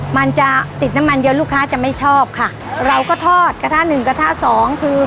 มันจะติดน้ำมันเยอะลูกค้าจะไม่ชอบค่ะเราก็ทอดกระทะหนึ่งกระทะสองคือ